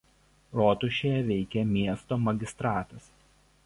Rotušėje veikė miesto magistratas.